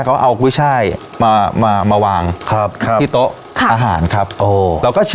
เขาเอากล้วยช่ายมามามาวางครับครับที่โต๊ะอาหารครับโอฮ